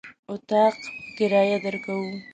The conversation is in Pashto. اطاق په کرايه درکوو.